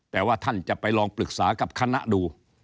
แต่ว่าท่านจะไปลองปรึกษากับคณะดู